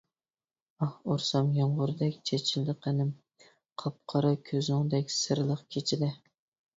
ئاھ ئۇرسام يامغۇردەك چېچىلدى قېنىم، قاپقارا كۆزۈڭدەك سىرلىق كېچىدە.